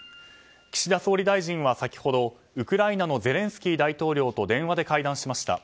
岸田総理大臣は先ほどウクライナのゼレンスキー大統領と電話で会談しました。